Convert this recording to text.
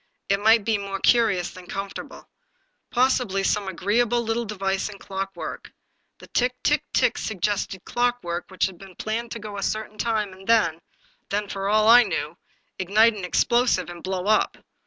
It might be more curious than comfortable. Possibly some agreeable little device in clockwork. The tick, tick, tick suggested clockwork which had been planned to go a certain time, and then — then, for all I knew, ignite an explosive, and — blow up.